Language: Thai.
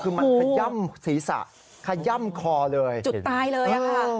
คือมันขย่ำศีรษะขย่ำคอเลยจุดตายเลยอะค่ะ